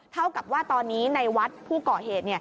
เท่ากับว่าตอนนี้ในวัดผู้ก่อเหตุ